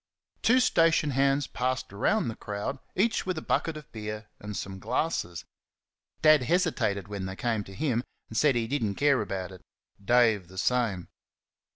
Two station hands passed among the crowd, each with a bucket of beer and some glasses. Dad hesitated when they came to him, and said he did n't care about it. Dave the same.